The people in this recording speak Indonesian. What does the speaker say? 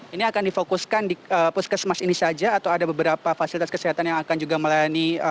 ini akan difokuskan di puskesmas ini saja atau ada beberapa fasilitas kesehatan yang akan juga melayani